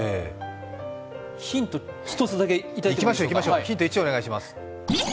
ヒント１つだけいただける。